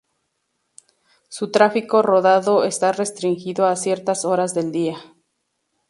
Su tráfico rodado está restringido a ciertas horas del día.